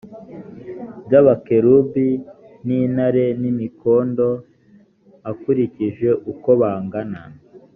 by’abakerubi n’intare n’imikindo akurikije uko bangana